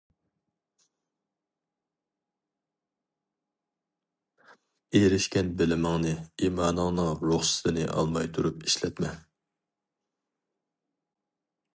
ئېرىشكەن بىلىمىڭنى ئىمانىڭنىڭ رۇخسىتىنى ئالماي تۇرۇپ ئىشلەتمە.